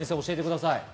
先生、教えてください。